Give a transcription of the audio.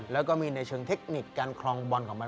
แล้วก็มีในเชิงเทคนิคการคลองบอลของมัน